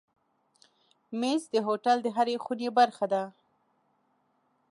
مېز د هوټل د هرې خونې برخه ده.